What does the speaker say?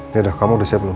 yaudah kamu udah siap belum